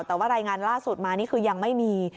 แต่ว่ารายงานล่าสุดมานี่คือยังไม่มี